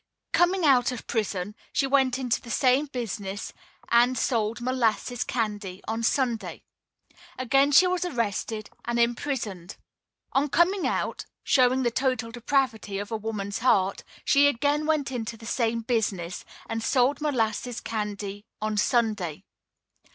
Coming out of prison, she went into the same business and sold molasses candy on Sunday. Again she was arrested, condemned, and imprisoned. On coming out showing the total depravity of a woman's heart she again went into the same business, and sold molasses candy on Sunday.